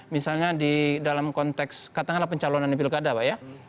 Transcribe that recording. misalnya di dalam konteks katakanlah pencalonan di pilkada pak ya